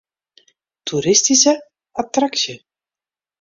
Toeristyske attraksje.